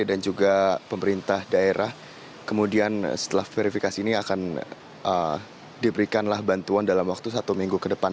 dan juga pemerintah daerah kemudian setelah verifikasi ini akan diberikanlah bantuan dalam waktu satu minggu ke depan